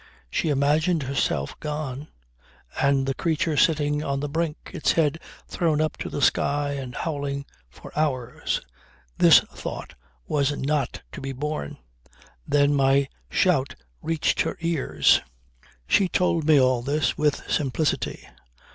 She imagined herself gone and the creature sitting on the brink, its head thrown up to the sky and howling for hours. This thought was not to be borne. Then my shout reached her ears. She told me all this with simplicity.